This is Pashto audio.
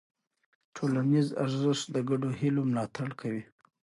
ټولنیز ارزښت د ګډو هيلو ملاتړ کوي.